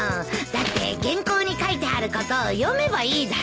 だって原稿に書いてあることを読めばいいだけでしょ。